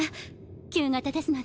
旧型ですので。